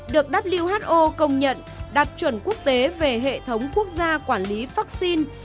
được who công nhận đạt chuẩn quốc tế về hệ thống quốc gia quản lý vaccine